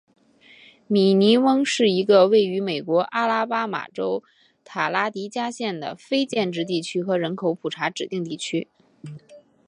米尼翁是一个位于美国阿拉巴马州塔拉迪加县的非建制地区和人口普查指定地区。